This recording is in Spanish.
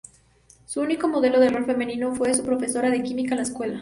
Su único modelo de rol femenino fue su profesora de química en la escuela.